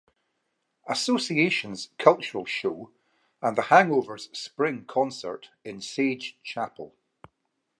Association's cultural show, and The Hangovers' spring concert in Sage Chapel.